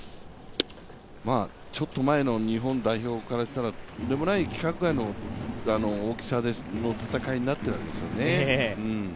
ちょっと前の日本代表からしたらとんでもない規格外の大きさの戦いになってるわけですよ。